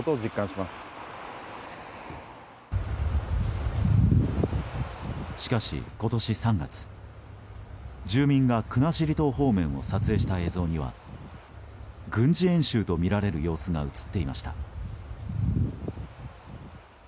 しかし今年３月、住民が国後島方面を撮影した映像には軍事演習とみられる様子が映っていました。